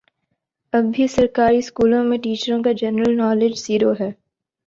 اب بھی سرکاری سکولوں میں ٹیچروں کا جنرل نالج زیرو ہے